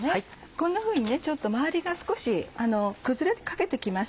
こんなふうにちょっと周りが少し崩れかけて来ます。